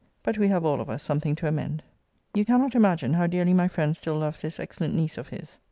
But we have all of us something to amend. You cannot imagine how dearly my friend still loves this excellent niece of his.